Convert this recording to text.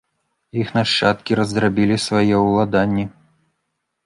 Іх нашчадкі раздрабілі свае ўладанні.